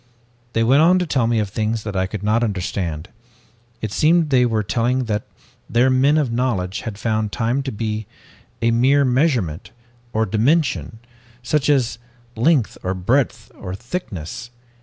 "They went on to tell me of things that I could not understand. It seemed they were telling that their men of knowledge had found time to be a mere measurement, or dimension, just as length or breadth or thickness.